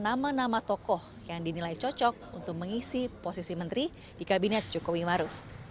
nama nama tokoh yang dinilai cocok untuk mengisi posisi menteri di kabinet jokowi maruf